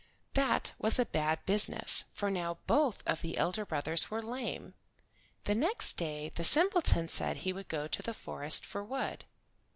That was a bad business, for now both of the elder brothers were lame. The next day the simpleton said he would go to the forest for wood.